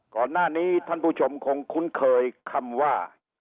ก่อนหน้านี้ท่านผู้ชมคงคุ้นเคยคำว่า